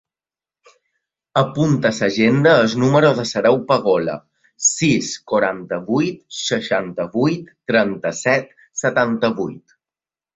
Apunta a l'agenda el número de l'Àreu Pagola: sis, quaranta-vuit, seixanta-vuit, trenta-set, setanta-vuit.